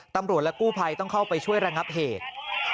ตำรวจและกู้ภัยต้องเข้าไปช่วยระงับเหตุ